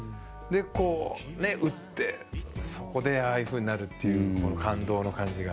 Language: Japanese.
こう打って、そこでああいう風になるっていうこの感動の感じが。